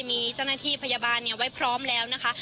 มีเจ้าหน้าที่พยาบาลไว้พร้อมแล้วนะคะ